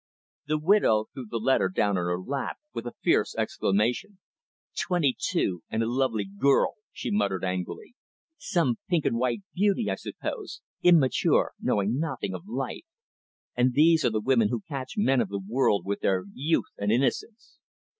The widow threw the letter down on her lap, with a fierce exclamation. "Twenty two, and a lovely girl," she muttered angrily. "Some pink and white beauty, I suppose, immature, knowing nothing of life. And these are the women who catch men of the world with their youth and innocence."